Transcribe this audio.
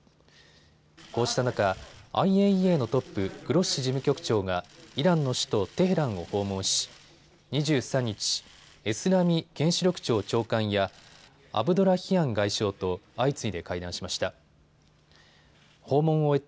こうした中、ＩＡＥＡのトップグロッシ事務局長がイランの首都テヘランを訪問し２３日、エスラミ原子力庁長官やアブドラヒアン外相と相次いで会談しました。